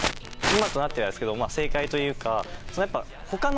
今となってはですけど正解というか。